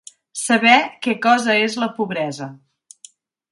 Saber què cosa és la pobresa.